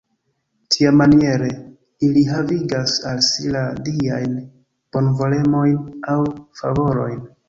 Tiamaniere ili havigas al si la diajn bonvolemojn aŭ favorojn.